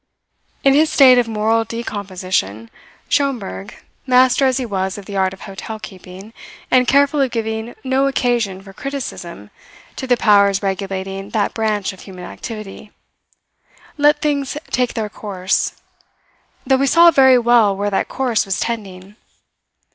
In his state of moral decomposition, Schomberg, master as he was of the art of hotel keeping, and careful of giving no occasion for criticism to the powers regulating that branch of human activity, let things take their course; though he saw very well where that course was tending.